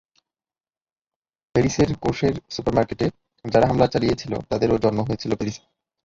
প্যারিসের কোশের সুপার মার্কেটে যারা হামলা চালিয়েছিল, তাদেরও জন্ম হয়েছিল প্যারিসে।